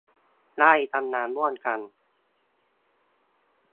ได้ทำงานร่วมกัน